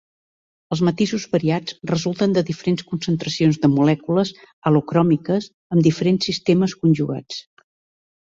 Els matisos variats resulten de diferents concentracions de molècules halo cròmiques amb diferents sistemes conjugats.